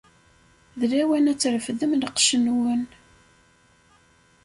D lawan ad trefdem lqecc-nwen.